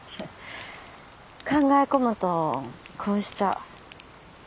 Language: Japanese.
考え込むとこうしちゃう。